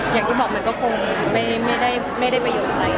อย่างที่บอกมันก็คงไม่ได้ไปอยู่ด้วย